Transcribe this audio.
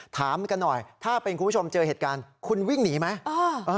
ถามกันหน่อยถ้าเป็นคุณผู้ชมเจอเหตุการณ์คุณวิ่งหนีไหม